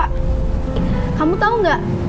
kamu tau gak